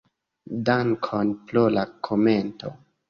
Dankon pro la komento.